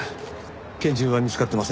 拳銃は見つかってません。